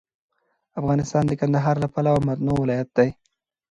افغانستان د کندهار له پلوه متنوع ولایت دی.